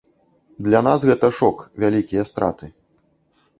Для нас гэта шок, вялікія страты.